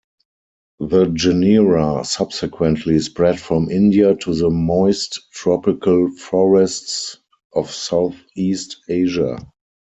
The genera subsequently spread from India to the moist tropical forests of Southeast Asia.